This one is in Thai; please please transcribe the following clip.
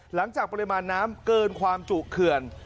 หลังจากปริมาณน้ำเกินความจุเขื่อน